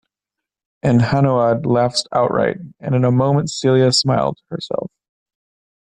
And Hanaud laughed outright, and in a moment Celia smiled herself.